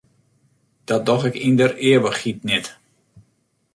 Dat doch ik yn der ivichheid net.